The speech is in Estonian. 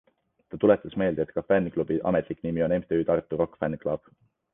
Ta tuletas meelde, et ka fänniklubi ametlik nimi on MTÜ Tartu Rock Fan Club.